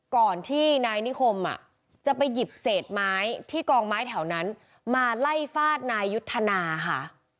ก่อนที่นายนิคมจะไปหยิบเศษไม้ที่กองไม้แถวนั้นมาไล่ฟาดนายยุทธนาค่ะ